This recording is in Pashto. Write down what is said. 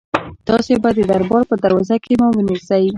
تاسي به د دربار په دروازه کې ما ونیسئ.